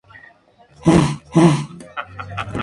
Ella perteneció al lado de Lucifer.